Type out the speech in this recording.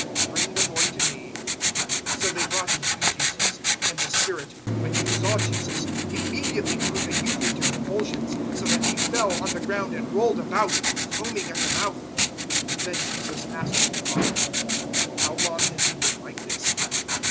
Bring the boy to me." 009:020 So they brought him to Jesus. And the spirit, when he saw Jesus, immediately threw the youth into convulsions, so that he fell on the ground and rolled about, foaming at the mouth. 009:021 Then Jesus asked the father, "How long has he been like this?"